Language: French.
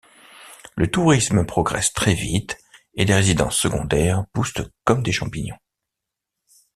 Le tourisme progresse très vite et les résidences secondaires poussent comme des champignons.